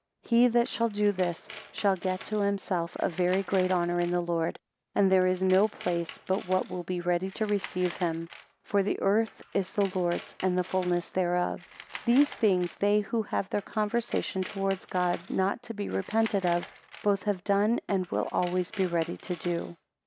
15 He that shall do this, shall get to himself a very great honour in the Lord; and there is no place but what will be ready to receive him: For the earth is the Lord's, and the fulness thereof. 16 These things, they who have their conversation towards God not to be repented of, both have done, and will always be ready to do.